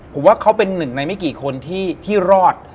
ผมว่าเขาเป็นหนึ่งในไม่กี่คนที่รอด